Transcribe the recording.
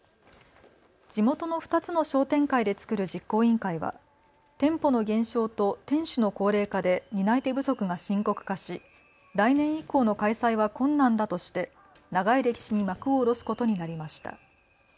地元の２つの商店会で作る実行委員会は店舗の減少と店主の高齢化で担い手不足が深刻化し来年以降の開催は困難だとして長い歴史に幕を下ろすことになりました。